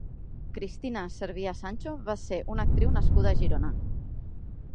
Cristina Cervià Sancho va ser una actriu nascuda a Girona.